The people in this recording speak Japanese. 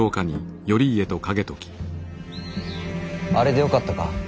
あれでよかったか。